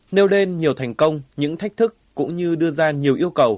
nêu lên nhiều thành công những thách thức cũng như đưa ra nhiều yêu cầu